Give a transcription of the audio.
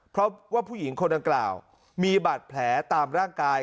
เพราะว่าผู้หญิงคนดังกล่าวมีบาดแผลตามร่างกาย